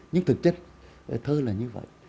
nhưng thực chất thơ là như vậy